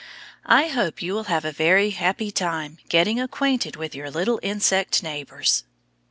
I hope you will have a very happy time getting acquainted with your little insect neighbors.